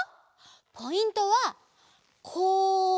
ポイントはここ！